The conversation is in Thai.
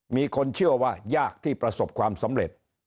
มีคนเชื่อว่ายากที่ประสบความสำเร็จ